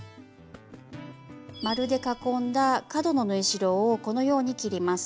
円で囲んだ角の縫い代をこのように切ります。